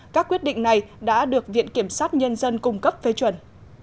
các quyết định này đã được viện kiểm sát nhân dân cung cấp phê chuẩn